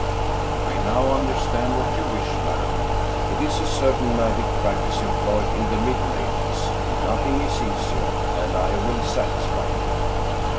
" I now understand what you wish, madam. It is a cer tain magic practice employed in the middle ages. Nothing is easier, and I will satisfy you."